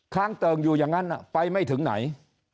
ค้างเติ่งอยู่อย่างนั้นไปไม่ถึงไหน